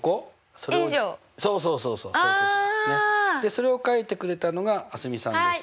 それを書いてくれたのが蒼澄さんでした。